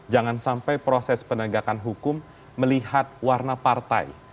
jangan sampai proses penegakan hukum melihat warna partai